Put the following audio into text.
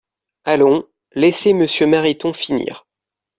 Allons, laissez Monsieur Mariton finir